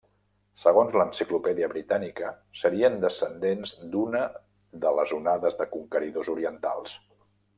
Segons l'enciclopèdia britànica serien descendents d'una de les onades de conqueridors orientals.